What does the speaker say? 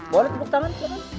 boleh tepuk tangan